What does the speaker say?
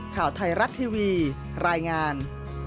ข่าวไทยรัฐทีวีรายงาน